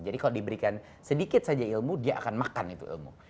jadi kalau diberikan sedikit saja ilmu dia akan makan itu ilmu